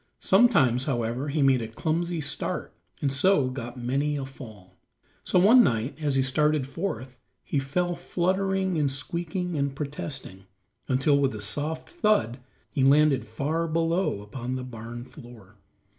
Sometimes, however, he made a clumsy start and so got many a fall. So one night as he started forth he fell fluttering and squeaking and protesting, until with a soft thud he landed far below upon the barn floor.